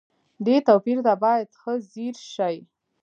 دې توپير ته بايد ښه ځير شئ.